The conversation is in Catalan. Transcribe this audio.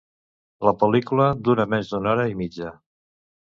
La pel·lícula dura menys d'una hora i mitja